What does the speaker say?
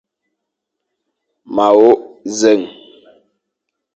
Ma wôkh nzèn.